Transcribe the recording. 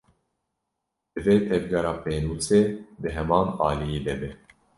Divê tevgera pênûsê di heman aliyî de be.